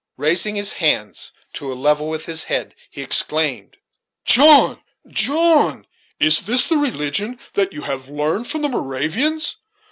Raising his hands to a level with his head, he exclaimed: "John, John! is this the religion that you have learned from the Moravians?